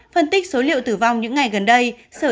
phân tích số liệu tử vong những ngày gần đây sở